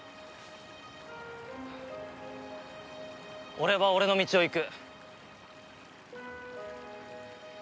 俺は俺の道を行く。